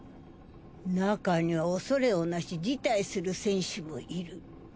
中には恐れをなし辞退する選手もいる。